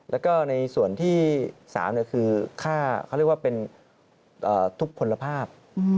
แล้วก็ในส่วนที่๓คือค่าเขาเรียกว่าเป็นทุกผลภาพ